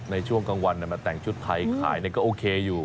ในช่วงกลางวันมาแต่งชุดไทยขายก็โอเคอยู่